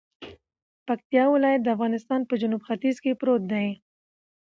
پکتيا ولايت د افغانستان په جنوت ختیځ کی پروت ده